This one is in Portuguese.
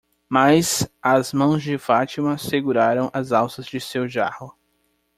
Mas as mãos de Fátima seguraram as alças de seu jarro.